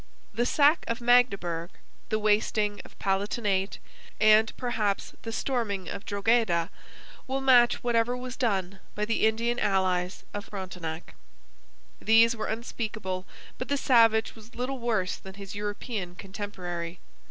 The sack of Magdeburg, the wasting of the Palatinate, and, perhaps, the storming of Drogheda will match whatever was done by the Indian allies of Frontenac. These were unspeakable, but the savage was little worse than his European contemporary.